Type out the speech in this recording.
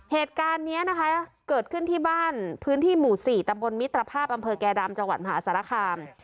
เหตุการณ์นี้นะคะเกิดขึ้นที่บ้านพื้นที่หมู่๔ตำบลมิตรภาพอำเภอแก่ดำจังหวัดมหาสารคาม